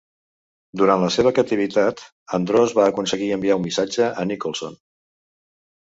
Durant la seva captivitat Andros va aconseguir enviar un missatge a Nicholson.